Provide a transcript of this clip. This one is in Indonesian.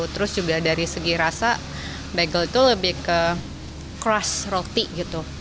terus juga dari segi rasa bagel itu lebih ke crush roti gitu